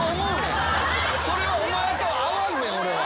それはお前と合わんねん俺は。